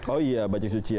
oh iya banyak kecian